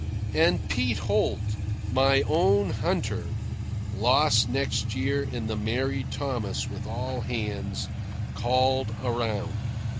And Pete Holt, my own hunter (lost next year in the Mary Thomas, with all hands), called a round.